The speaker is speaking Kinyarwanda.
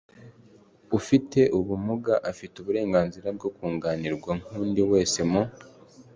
ufite ubumuga afite uburenganzira bwo kunganirwa nk'undi wese mu